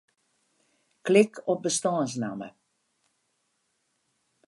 Klik op bestânsnamme.